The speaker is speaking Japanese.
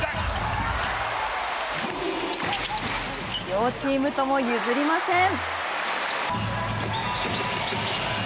両チームとも譲りません。